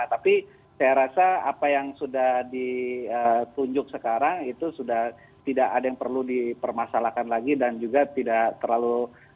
tapi saya rasa apa yang sudah ditunjuk sekarang itu sudah tidak ada yang perlu dipermasalahkan lagi dan juga tidak terlalu